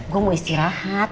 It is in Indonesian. gue mau istirahat